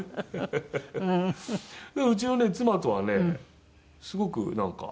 でもうちの妻とはねすごくなんか。